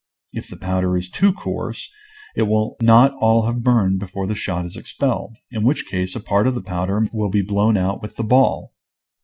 If the powder is too coarse it will not all have burned before the shot is expelled, in which case a part of the powder will be blown out with the ball.